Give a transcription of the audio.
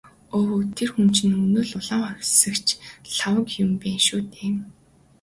Өө тэр хүн чинь өнөө л «улаан хувьсгалч» Лхагва юм байна шүү дээ.